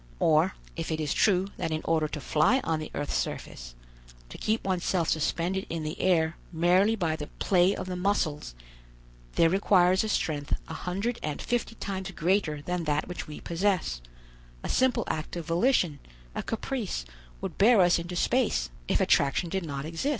Or, if it is true that in order to fly on the earth's surface, to keep oneself suspended in the air merely by the play of the muscles, there requires a strength a hundred and fifty times greater than that which we possess, a simple act of volition, a caprice, would bear us into space, if attraction did not exist."